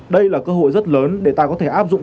đây là cơ hội rất lớn để ta có thể áp dụng